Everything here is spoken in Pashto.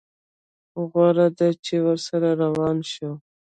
غوره ده چې ورسره روان شو.